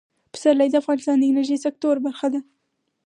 پسرلی د افغانستان د انرژۍ سکتور برخه ده.